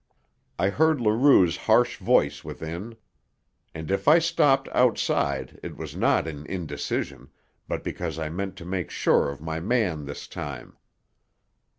I heard Leroux's harsh voice within; and if I stopped outside it was not in indecision, but because I meant to make sure of my man this time.